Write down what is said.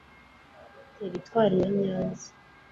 Teritwari ya Nyanza